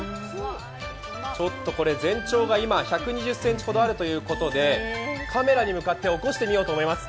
全長が１２０ｃｍほどあるということで、カメラに向かって起こしてみようと思います。